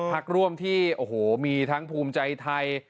๑๑พักร่วมที่มีทั้งภูมิใจไทย